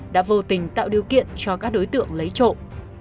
đã vô tình tạo điều kiện cho các đối tượng lấy trộm